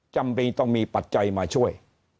จำเป็นต้องมีปัจจัยมาช่วย